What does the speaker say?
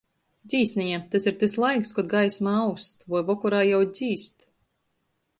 Dzīsneņa - tys ir tys laiks, kod gaisma aust voi vokorā jau dzīst.